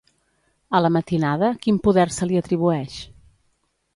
A la matinada, quin poder se li atribueix?